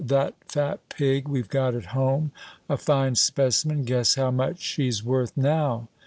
"That fat pig we've got at home, a fine specimen, guess how much she's worth now?"